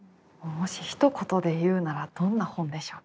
もしひと言で言うならどんな本でしょうか？